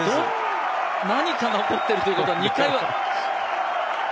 何かが起こっているということは、２回は。